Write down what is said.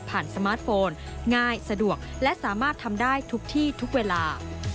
สมาร์ทโฟนง่ายสะดวกและสามารถทำได้ทุกที่ทุกเวลา